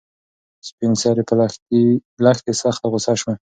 سپین سرې په لښتې سخته غوسه شوه.